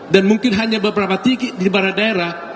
dan mungkin hanya beberapa titik di barang daerah